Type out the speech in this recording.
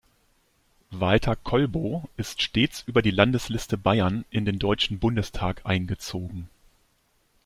Walter Kolbow ist stets über die Landesliste Bayern in den Deutschen Bundestag eingezogen.